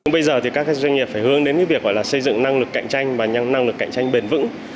bây giờ thì các doanh nghiệp phải hướng đến việc xây dựng năng lực cạnh tranh và năng lực cạnh tranh bền vững